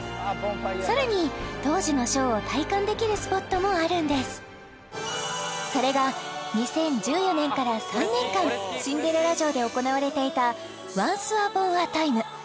さらに当時のショーを体感できるスポットもあるんですそれが２０１４年から３年間シンデレラ城で行われていた「ワンス・アポン・ア・タイム」